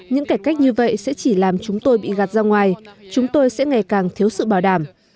những cải cách như vậy sẽ chỉ làm chúng tôi bị gạt ra ngoài chúng tôi sẽ ngày càng thiếu sự bảo đảm